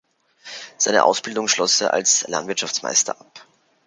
Seine Ausbildung schloss er als Landwirtschaftsmeister ab.